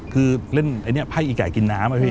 คือเล่นไอ้เนี่ยไภอีไก่กินน้ำไอ้พี่